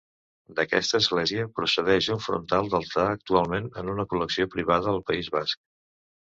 D'aquesta església procedeix un frontal d'altar, actualment en una col·lecció privada al País basc.